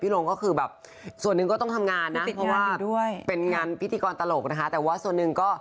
พี่ลงก็คือแบบส่วนหนึ่งก็ต้องทำงานนะก็ติดอยู่ด้วยเป็นงานพิสูจน์ตลกนะคะแต่ว่าส่วนหนึ่งก็